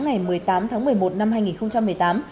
ngày một mươi tám tháng một mươi một năm hai nghìn một mươi tám